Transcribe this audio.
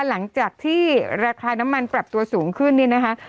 หลังจากที่ราคาน้ำมันปรับตัวสูงขึ้นเนี่ยนะคะ